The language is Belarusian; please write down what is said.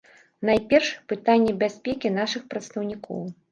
Найперш, пытанне бяспекі нашых прадстаўнікоў.